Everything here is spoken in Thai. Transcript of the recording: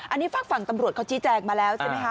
อันนี้ฝากฝั่งตำรวจเขาชี้แจงมาแล้วใช่ไหมคะ